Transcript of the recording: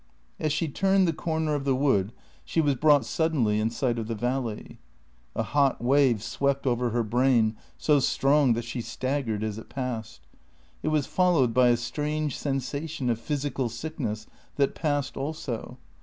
As she turned the corner of the wood, she was brought suddenly in sight of the valley. A hot wave swept over her brain, so strong that she staggered as it passed. It was followed by a strange sensation of physical sickness, that passed also.